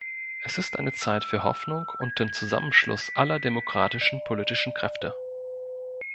Es ist eine Zeit für Hoffnung und den Zusammenschluss aller demokratischen politischen Kräfte.